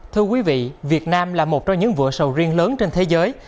thưa quý vị việt nam là một trong những vựa sầu riêng lớn trên thế giới